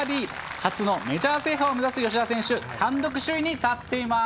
初のメジャー制覇を目指す吉田選手、単独首位に立っています。